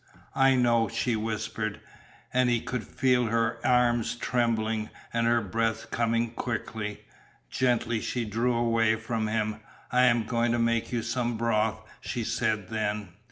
"I know," she whispered, and he could feel her arras trembling, and her breath coming quickly. Gently she drew away from him. "I am going to make you some broth," she said then.